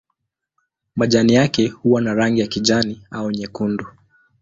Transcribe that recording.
Majani yake huwa na rangi ya kijani au nyekundu.